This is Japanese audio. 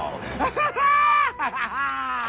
ハハハハハ！